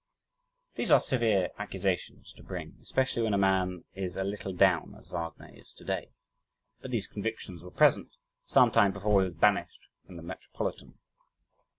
These are severe accusations to bring especially when a man is a little down as Wagner is today. But these convictions were present some time before he was banished from the Metropolitan.